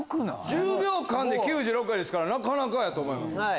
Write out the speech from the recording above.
１０秒間で９６回ですからなかなかやと思いますよ。